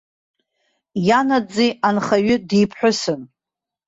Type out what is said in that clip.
Ианаӡӡеи анхаҩы диԥҳәысын.